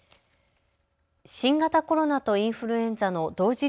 新型コロナとインフルエンザの同時